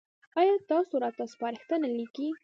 ایا تاسو راته سپارښتنه لیکئ؟